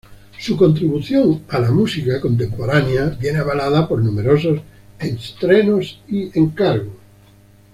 Su contribución a la música contemporánea viene avalada por numerosos estrenos y encargos.